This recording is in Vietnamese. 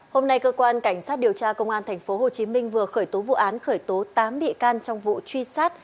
hôm nay cơ quan cảnh sát điều tra công an tp hcm vừa khởi tố vụ án khởi tố tám bị can trong vụ truy sát